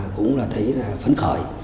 cũng thấy phấn khởi